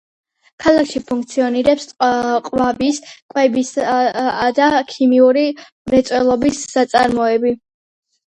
ქალაქში ფუნქციონირებს ტყავის, კვებისა და ქიმიური მრეწველობის საწარმოები.